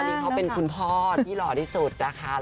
นี่เขาเป็นคุณพ่อที่หล่อที่สุดนะคะ